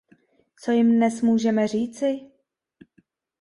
Co jim dnes můžeme říci?